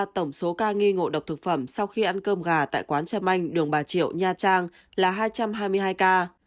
tổng số ca nghi ngộ độc thực phẩm sau khi ăn cơm gà tại quán trâm anh đường bà triệu nha trang là hai trăm hai mươi hai ca